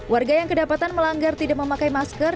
warga yang kedapatan melanggar tidak memakai masker